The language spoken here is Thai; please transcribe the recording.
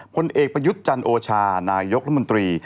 พลเอกประยุทธ์จันทร์โอชานายกละมนตรี